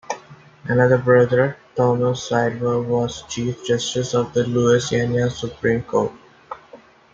Another brother, Thomas Slidell, was chief justice of the Louisiana Supreme Court.